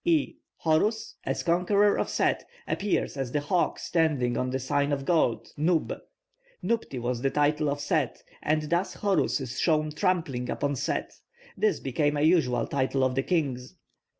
(E) Horus, as conqueror of Set, appears as the hawk standing on the sign of gold, nub; nubti was the title of Set, and thus Horus is shown trampling upon Set; this became a usual title of the kings.